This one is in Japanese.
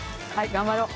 頑張ろう。